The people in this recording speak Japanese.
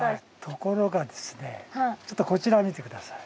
ところがですねちょっとこちらを見て下さい。